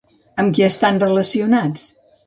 Amb qui estan relacionats?